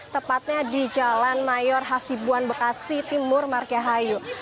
tepatnya di jalan mayor hasibuan bekasi timur markehayu